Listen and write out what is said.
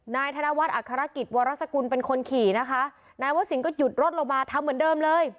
นายธนวัฒน์อัครกิจวรสกุลเป็นคนขี่นะคะนายวสินก็หยุดรถลงมาทำเหมือนเดิมเลย